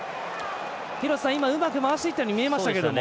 今、うまく回していったように見えましたけども。